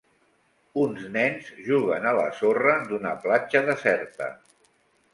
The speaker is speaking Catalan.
Uns nens juguen a la sorra d'una platja deserta.